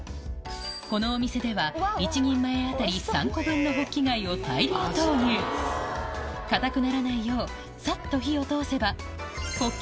このお店ではのホッキ貝を大量投入硬くならないようサッと火を通せばホッキ